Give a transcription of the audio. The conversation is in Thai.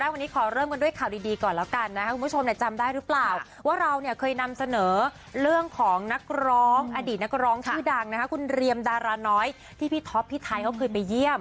วันนี้ขอเริ่มกันด้วยข่าวดีก่อนแล้วกันนะครับคุณผู้ชมจำได้หรือเปล่าว่าเราเนี่ยเคยนำเสนอเรื่องของนักร้องอดีตนักร้องชื่อดังนะคะคุณเรียมดาราน้อยที่พี่ท็อปพี่ไทยเขาเคยไปเยี่ยม